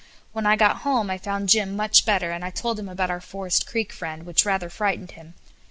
When I got home I found Jim much better, and I told him about our Forest Creek friend, which rather frightened him.